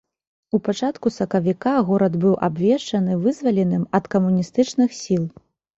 У пачатку сакавіка горад быў абвешчаны вызваленым ад камуністычных сіл.